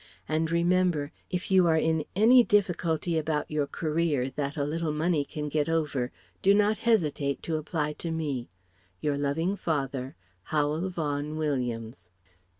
And remember, if you are in any difficulty about your career that a little money can get over do not hesitate to apply to me. Your loving father, HOWEL VAUGHAN WILLIAMS.